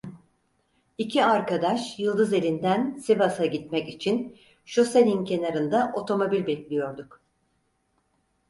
İki arkadaş Yıldızeli'nden Sivas'a gitmek için şosenin kenarında otomobil bekliyorduk.